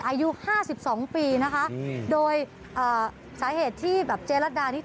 อายุห้าสิบสองปีนะคะโดยอ่าสาเหตุที่แบบเจรัตดานี่